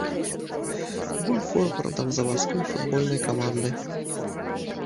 Быў форвардам завадской футбольнай каманды.